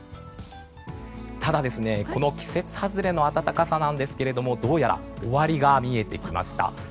ただ、この季節外れの暖かさなんですがどうやら終わりが見えてきました。